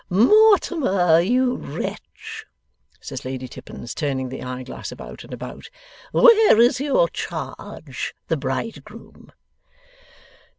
'Mortimer, you wretch,' says Lady Tippins, turning the eyeglass about and about, 'where is your charge, the bridegroom?